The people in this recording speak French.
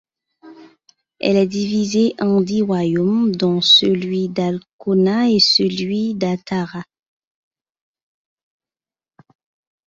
Elle est divisée en dix royaumes, dont celui d'Alkonath et celui d'Ahtarrath.